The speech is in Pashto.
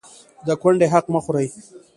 د کونډې حق مه خورئ